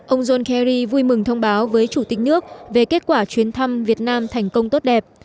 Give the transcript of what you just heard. ông john kerry vui mừng thông báo với chủ tịch nước về kết quả chuyến thăm việt nam thành công tốt đẹp